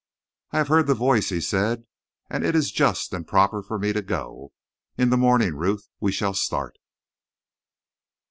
"I have heard the Voice," he said, "and it is just and proper for me to go. In the morning, Ruth, we shall start!"